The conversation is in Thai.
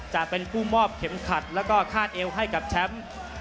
จะเป็นผู้มอบเข็มขัดแล้วก็คาดเอวให้กับแชมป์